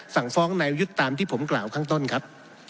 สั่งฟ้องนายประยุทธ์ตามที่ผมกล่าวข้างต้นครับ